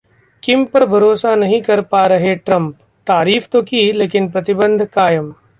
किम पर भरोसा नहीं कर पा रहे ट्रंप, तारीफ तो की लेकिन प्रतिबंध कायम